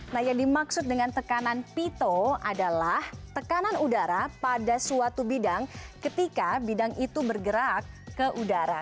nah yang dimaksud dengan tekanan pito adalah tekanan udara pada suatu bidang ketika bidang itu bergerak ke udara